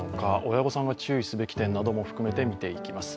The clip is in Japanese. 親御さんが注意すべき点なども含めて見ていきます。